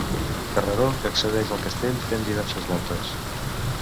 Carreró que accedeix al castell fent diverses voltes.